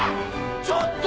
ちょっと！